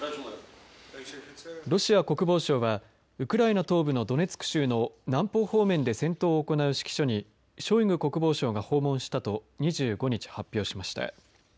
ロシア国防省はウクライナ東部のドネツク州の南方方面で戦闘を行う指揮所にショイグ国防相が訪問したと２５日発表しました。